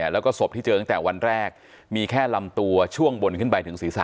แล้วก็ศพที่เจอตั้งแต่วันแรกมีแค่ลำตัวช่วงบนขึ้นไปถึงศีรษะ